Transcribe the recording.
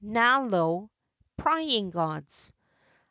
nalo (prying gods).